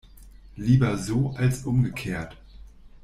Lieber so als umgekehrt.